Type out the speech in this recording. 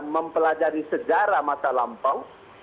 mempelajari sejarah masa lampau